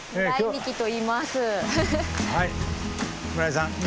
はい村井さん。